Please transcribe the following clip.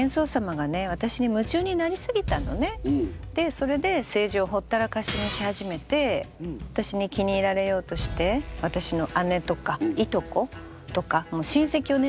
あのねでそれで政治をほったらかしにし始めて私に気に入られようとして私の姉とかいとことか親戚をね